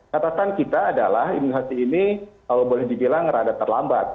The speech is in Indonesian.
katasan kita adalah imunisasi ini kalau boleh dibilang rada terlambat